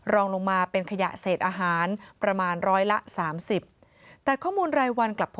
รองลงมาเป็นขยะเศษอาหารประมาณร้อยละ๓๐